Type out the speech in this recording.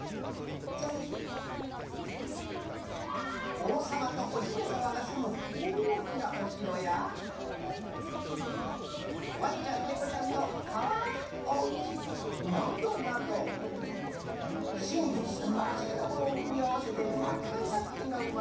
おうさまとおひめさまがすむおおきなおしろやわんちゃんねこちゃんのかわいいおうちなどなどしんのすんばらしいところをくみあわせてたくさんさくひんがうまれたようです。